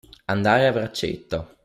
Andare a braccetto.